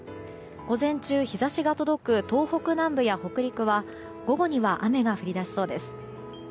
午前中、日差しが届く東北南部や北陸は午後には雨が降り出しそうです。